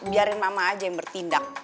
biarin mama aja yang bertindak